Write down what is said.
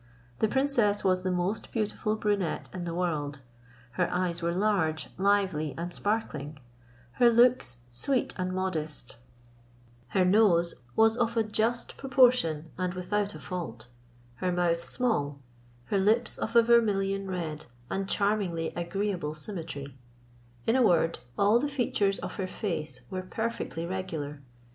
The princess was the most beautiful brunette in the world; her eyes were large, lively, and sparkling; her looks sweet and modest; her nose was of a just proportion and without a fault, her mouth small, her lips of a vermilion red and charmingly agreeable symmetry; in a word, all the features of her face were perfectly regular.